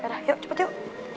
yaudah yuk cepet yuk